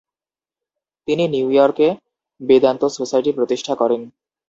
তিনি নিউইয়র্কে বেদান্ত সোসাইটি প্রতিষ্ঠা করেন।